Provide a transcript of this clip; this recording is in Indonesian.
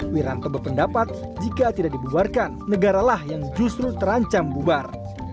wiranto berpendapat jika tidak dibubarkan negara lah yang justru terancam bubar